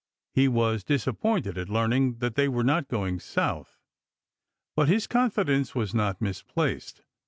He was disappointed at learning they were not going South, but his confidence was not misplaced.